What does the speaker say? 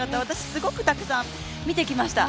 すごくたくさん見てきました。